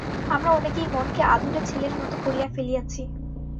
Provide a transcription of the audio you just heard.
আমরা অনেকেই মনকে আদুরে ছেলের মত করিয়া ফেলিয়াছি।